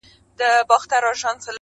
ستا پر سره ګلاب چي و غوړېږمه,